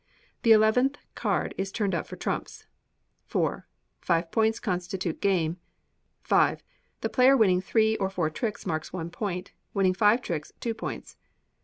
The eleventh card is turned up for trumps. iv. Five points constitute game. v. The player winning three or four tricks marks one point; winning five tricks, two points.